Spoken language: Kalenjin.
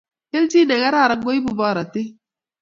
Keljin ne kararan koibu borotet